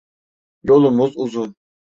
Yolumuz uzun.